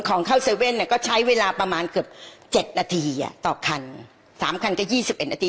ของเข้าเซเว่นเนี้ยก็ใช้เวลาประมาณเกือบเจ็ดนาทีอ่ะต่อคันสามคันก็ยี่สิบเอ็ดนาที